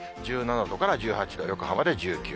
１７度から１８度、横浜で１９度。